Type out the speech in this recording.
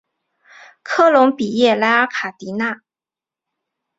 科隆比耶莱卡尔迪纳。